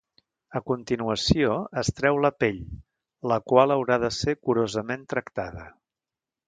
A continuació, es treu la pell, la qual haurà de ser curosament tractada.